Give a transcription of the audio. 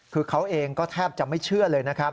คือเขาเองก็แทบจะไม่เชื่อเลย